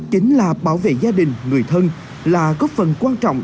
chính là bảo vệ gia đình người thân là góp phần quan trọng